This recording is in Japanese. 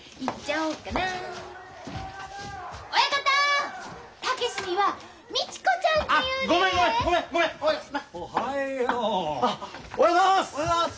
・おはよう。おはようございます！